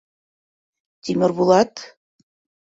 Тимербулат: